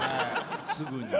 すぐに。